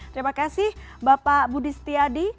terima kasih bapak budi setiadi